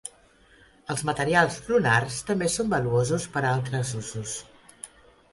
Els materials lunars també són valuosos per a altres usos.